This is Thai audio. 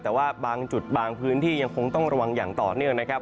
แต่ว่าบางจุดบางพื้นที่ยังคงต้องระวังอย่างต่อเนื่องนะครับ